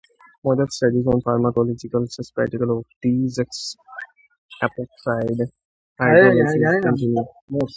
Model studies on pharmacological susceptibility of these epoxide hydrolases continue.